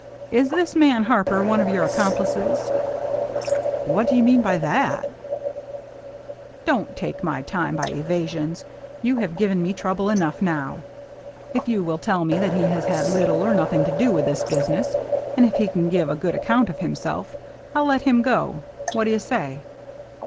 Is this man Harper one of your accomplices ?"" What do you mean by that ?"" Don't take my time by evasions. You have given me trouble enough now. If you will tell me he has had little or nothing to do with this business, and if he can give a good THE EVENING OF THE SAME DAY 215 account of himself, I'll let him go. What do you say